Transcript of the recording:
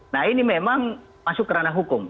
nah ini memang masuk kerana hukum